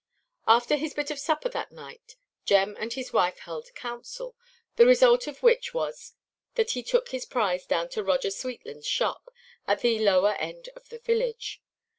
After his bit of supper that night, Jem and his wife held counsel, the result of which was that he took his prize down to Roger Sweetlandʼs shop, at the lower end of the village.